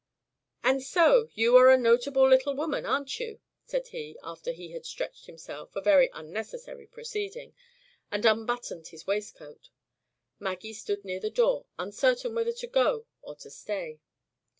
"And so, you are a notable little woman, are you?" said he, after he had stretched himself (a very unnecessary proceeding), and unbuttoned his waistcoat, Maggie stood near the door, uncertain whether to go or to stay.